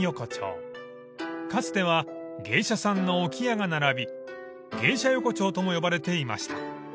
［かつては芸者さんの置き屋が並び芸者横丁とも呼ばれていました］